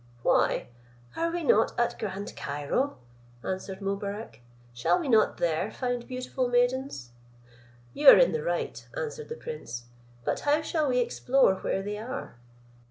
"Why, are we not at Grand Cairo?" said Mobarec: "shall we not there find beautiful maidens?" "You are in the right," answered the prince; "but how shall we explore where they are?"